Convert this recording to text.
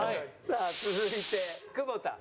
さあ続いて久保田。